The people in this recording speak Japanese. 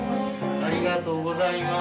ありがとうございます。